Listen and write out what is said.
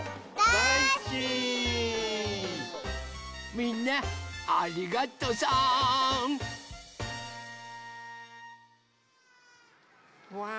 みんなありがとさん！